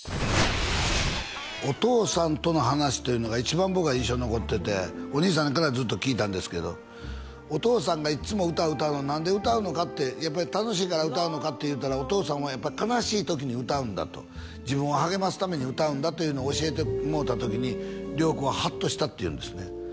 お父さんとの話というのが一番僕は印象に残っててお兄さんからずっと聞いたんですけどお父さんがいっつも歌歌うの何で歌うのかってやっぱり楽しいから歌うのかって言うたらお父さんはやっぱり悲しい時に歌うんだと自分を励ますために歌うんだというのを教えてもろた時に涼子はハッとしたっていうんですね